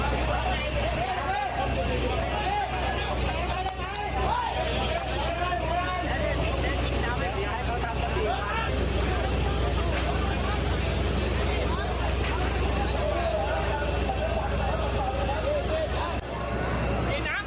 แล้วนี้คนเจ็บของมาแล้วครับ